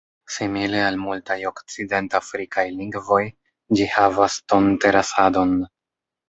Simile al multaj Okcident-Afrikaj lingvoj, ĝi havas ton-terasadon.